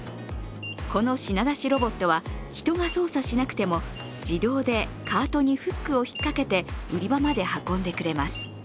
この品出しロボットは人が操作しなくても自動でカートにフックを引っ掛けて売り場まで運んでくれます。